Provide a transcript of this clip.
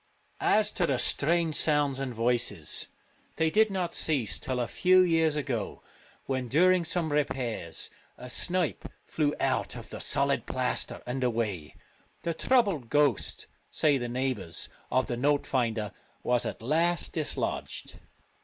As to the strange sounds and voices, they did not cease till a few years ago, when, during some repairs, a snipe flew out of the solid plaster and away ; the troubled ghost, say the neighbours, of the note finder was at last dislodged.